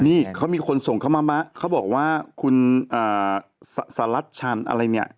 นี่เขามีคนส่งเขามาเขาบอกว่าคุณสลัดชันอะไรเนี่ย